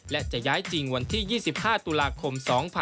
และจะย้ายจริงวันที่๒๕ตุลาคม๒๕๖๒